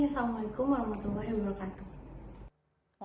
assalamualaikum wr wb